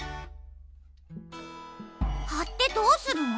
はってどうするの？